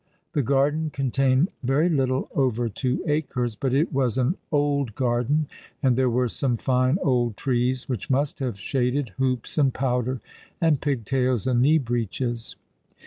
The garden contained very little over two acres, but it was an old garden, and there were some fine old trees, which must have shaded hoops and powder, and pig tails and knee breeches.